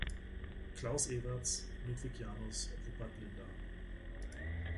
Klaus Evertz, Ludwig Janus, Rupert Linder.